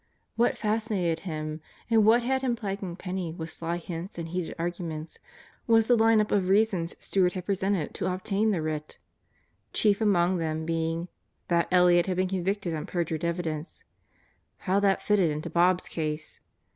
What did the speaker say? What fascinated him, and what had him plaguing Penney with sly hints and heated arguments was the line up of reasons Stewart had presented to obtain the writ, chief among them being: that Elliott had been convicted on perjured evidence (How that fitted into Bob's case!